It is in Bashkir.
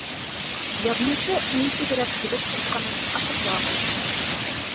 Яҙмышы нисегерәк килеп сыҡҡанын асыҡлағыҙ.